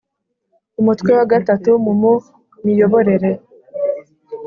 umutwe wa gatatu mu mu miyoborere